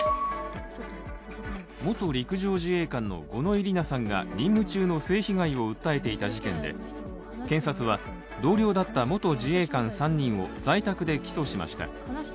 元陸上自衛官の五ノ井里奈さんが任務中の性被害を訴えていた事件で、検察は同僚だった元自衛官３人を在宅で起訴しました。